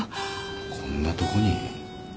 こんなとこに。